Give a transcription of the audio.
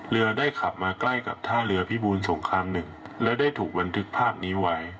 เรือได้ขับมาใกล้กับท่าเรือพิบูลสงครามหนึ่งแล้วได้ถูกบันทึกภาพนี้ไว้